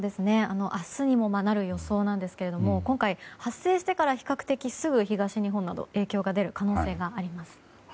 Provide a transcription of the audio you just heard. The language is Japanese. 明日にもなる予想なんですけれども今回、発生してから比較的すぐ東日本など影響が出る可能性があります。